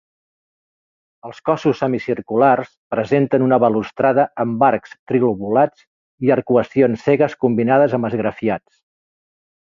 Els cossos semicirculars presenten una balustrada amb arcs trilobulats i arcuacions cegues combinades amb esgrafiats.